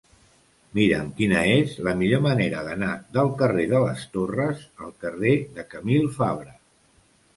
Mira'm quina és la millor manera d'anar del carrer de les Torres al carrer de Camil Fabra.